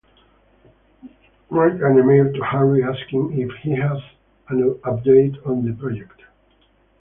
Write an email to Harry asking if he has an update on the project